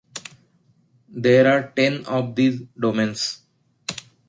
There are ten of these domains.